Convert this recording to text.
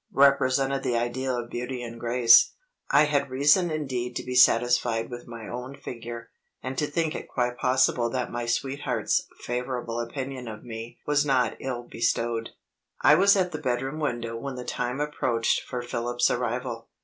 represented the ideal of beauty and grace, I had reason indeed to be satisfied with my own figure, and to think it quite possible that my sweetheart's favorable opinion of me was not ill bestowed. I was at the bedroom window when the time approached for Philip's arrival.